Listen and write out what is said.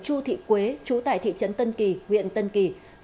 chu thị quế chú tải thị trấn tân kỳ